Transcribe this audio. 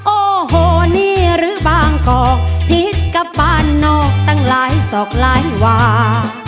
โอ้โหนี่หรือบางกอกผิดกับบ้านนอกตั้งหลายศอกหลายวา